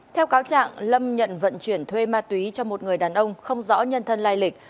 theo cáo trạng lâm nhận vận chuyển thuê ma túy cho một người đàn ông không rõ nhân thân lai lịch